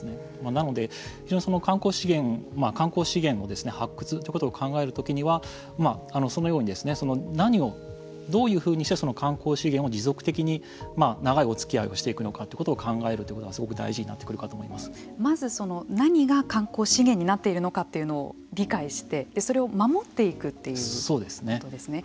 なので、観光資源観光資源の発掘ということを考えるときにはどのように何をどういうふうにして観光資源を持続的に長いおつき合いをしていくのかということを考えるのがすごく大事になってくるかとまず、何が観光資源になっているのかということを理解してそれを守っていくということですね。